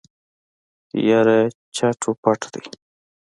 يره چټ و پټ دی.